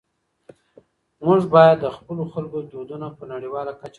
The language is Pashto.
موږ باید د خپلو خلکو دودونه په نړيواله کچه وپېژنو.